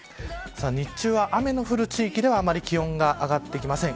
日中は雨の降る地域では気温が上がってきません。